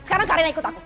sekarang karena ikut aku